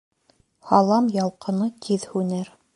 Һалам ялҡыны тиҙ һүнер.